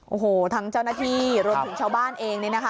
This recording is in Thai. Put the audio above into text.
โอ้โฮทางเจ้าหน้าที่ลดถึงชาวบ้านเองนะคะ